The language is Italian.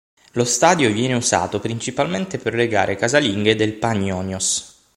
Lo stadio viene usato principalmente per le gare casalinghe del Panionios.